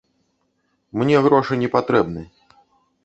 Мне грошы не патрэбны.